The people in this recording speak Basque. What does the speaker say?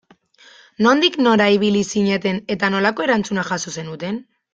Nondik nora ibili zineten eta nolako erantzuna jaso zenuten?